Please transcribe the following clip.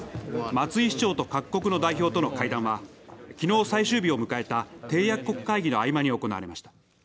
松井市長と各国の代表との会談はきのう最終日を迎えた締約国会議の合間に行われました。